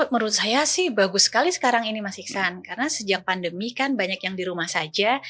menurut saya sih bagus sekali sekarang ini mas iksan karena sejak pandemi kan banyak yang di rumah saja